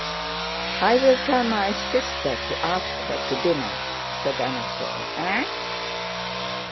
"I will tell my sister to ask her to dinner," said Anatole. "Eh?"